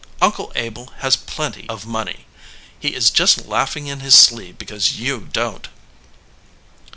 Uncle Abel has plenty of money. He is just laughing in his sleeve because you don t."